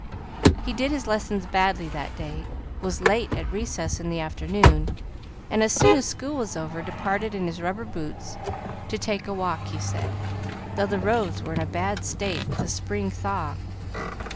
He did his lessons badly that day, was late at recess in the afternoon, and, as soon as school was over, departed in his rubber boots "to take a walk," he said, though the roads were in a bad state with a spring thaw.